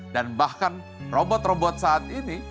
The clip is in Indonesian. dan bahkan robot robot saat ini